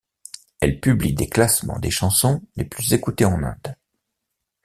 Elle publie des classements des chansons les plus écoutées en Inde.